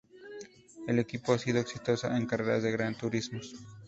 El equipo ha sido exitoso en carreras de gran turismos.